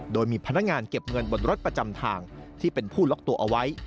โดยมีพนักงานเก็บเงินบนรถประจำทางที่เป็นผู้ล็อกตัวเอาไว้